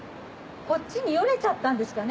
こっちによれちゃったんですかね